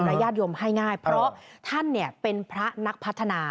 ญาติโยมให้ง่ายเพราะท่านเป็นพระนักพัฒนา